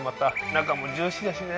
中もジューシーだしね。